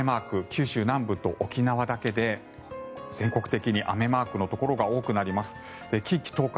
九州南部と沖縄だけで全国的に雨マークのところが多くなります。